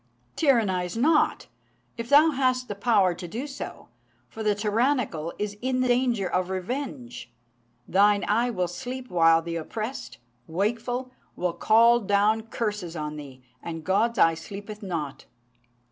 "'Tyrannise not, if thou hast the power to do so; for the tyrannical is in danger of revenge, Thine eye will sleep while the oppressed, wakeful, will call down curses on thee, and God's eye sleepeth not.'"